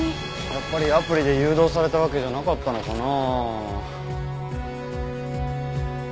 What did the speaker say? やっぱりアプリで誘導されたわけじゃなかったのかな？